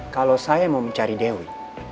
kalau saya mau mencari dewi